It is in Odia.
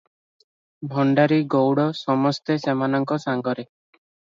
ଭଣ୍ତାରୀ ଗଉଡ଼ ସମସ୍ତେ ସେମାନଙ୍କ ସାଙ୍ଗରେ ।